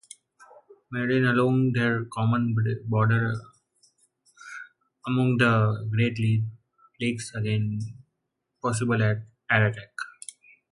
Marie along their common border among the Great Lakes against possible air attack.